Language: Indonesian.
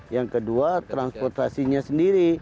yang kedua transportasinya sendiri